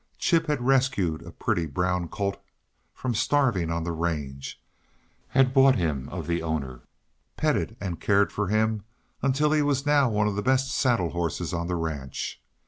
Chip had rescued a pretty, brown colt from starving on the range, had bought him of the owner, petted and cared for him until he was now one of the best saddle horses on the ranch.